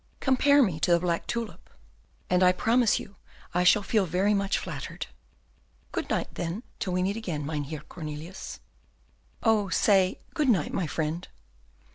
"Compare me to the black tulip, and I promise you I shall feel very much flattered. Good night, then, till we meet again, Mynheer Cornelius." "Oh, say 'Good night, my friend.